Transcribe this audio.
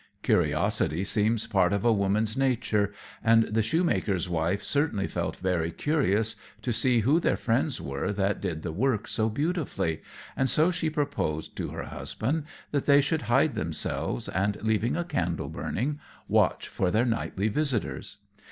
Curiosity seems part of a woman's nature, and the Shoemaker's wife certainly felt very curious to see who their friends were that did the work so beautifully; so she proposed to her husband that they should hide themselves, and, leaving a candle burning, watch for their nightly visitors.